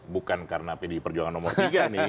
bukan karena pdi perjuangan nomor tiga nih